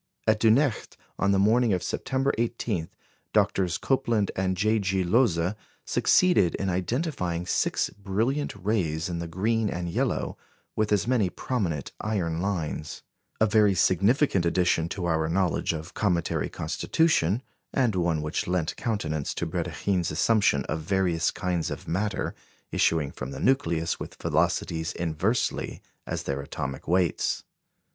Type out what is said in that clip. At Dunecht, on the morning of September 18, Drs. Copeland and J. G. Lohse succeeded in identifying six brilliant rays in the green and yellow with as many prominent iron lines; a very significant addition to our knowledge of cometary constitution, and one which lent countenance to Brédikhine's assumption of various kinds of matter issuing from the nucleus with velocities inversely as their atomic weights.